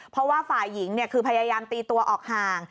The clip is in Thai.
เพราะว่าฝ่ายหญิงคือพยายามตีตัวออกห่าง